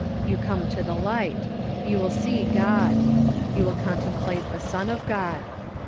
"You come to the light. You will see God. You will contemplate the Son of God.